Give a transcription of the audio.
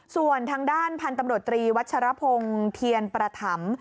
ส่วนทางด้านพันธุ์ตำรวจตรีวัชรพงศ์เทียนประถำ